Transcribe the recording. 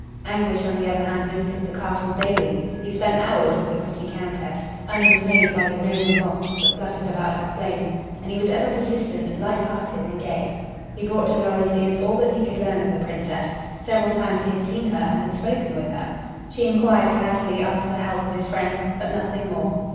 Anguish, on the other hand, visited the castle daily. He spent hours with the pretty Countess, undismayed by the noble moths that fluttered about her flame, and he was ever persistent, light hearted and gay. He brought to Lorry's ears all that he could learn of the Princess. Several times he had seen her and had spoken with her. She inquired casually after the health of his friend, but nothing more.